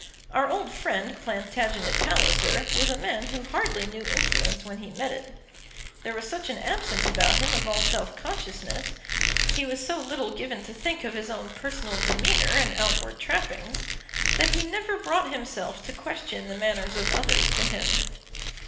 Our old friend Plantagenet Palliser was a man who hardly knew insolence when he met it. There was such an absence about him of all self consciousness, he was so little given to think of his own personal demeanour and outward trappings, that he never brought himself to question the manners of others to him.